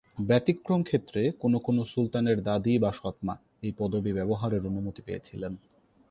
ব্যতিক্রম ক্ষেত্রে কোন কোন সুলতানের দাদী বা সৎ মা এই পদবি ব্যবহারের অনুমতি পেয়েছিলেন।